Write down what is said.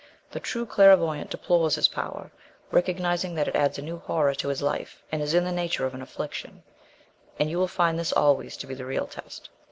"The true clairvoyant deplores his power, recognizing that it adds a new horror to life, and is in the nature of an affliction. And you will find this always to be the real test."